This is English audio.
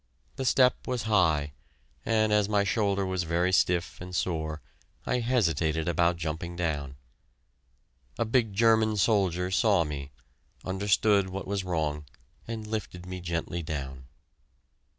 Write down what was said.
The step was high, and as my shoulder was very stiff and sore, I hesitated about jumping down. A big German soldier saw me, understood what was wrong, and lifted me gently down.